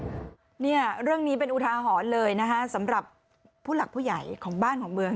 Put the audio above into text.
เนี่ยเรื่องนี้เป็นอุทาหรณ์เลยนะคะสำหรับผู้หลักผู้ใหญ่ของบ้านของเมือง